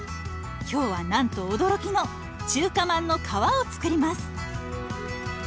今日はなんと驚きの中華まんの皮を作ります。